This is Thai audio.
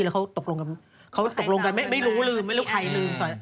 แล้วเขาตกลงกันไม่รู้รึมถึงใครลืม